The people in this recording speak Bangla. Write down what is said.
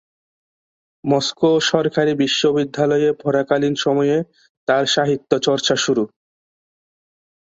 মস্কো সরকারী বিশ্ববিদ্যালয়ে পড়াকালীন সময়ে তার সাহিত্যচর্চা শুরু।